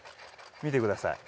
見てください。